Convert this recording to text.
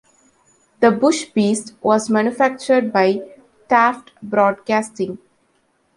"The Bush Beast" was manufactured by Taft Broadcasting.